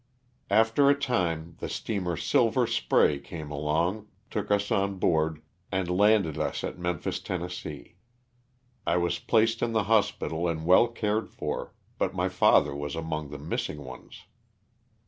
After a time the steamer *' Silver Spray" came along, took us on board and landed us at Memphis, Tenn. I was placed in the hospital and well cared for, but my father was among the missing ones.